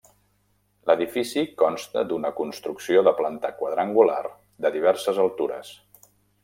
L'edifici consta d'una construcció de planta quadrangular, de diverses altures.